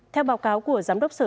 theo báo cáo của giám đốc sở